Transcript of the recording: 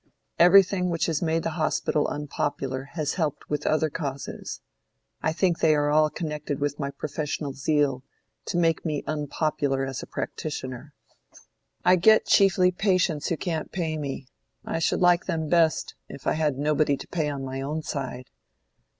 Everything which has made the Hospital unpopular has helped with other causes—I think they are all connected with my professional zeal—to make me unpopular as a practitioner. I get chiefly patients who can't pay me. I should like them best, if I had nobody to pay on my own side."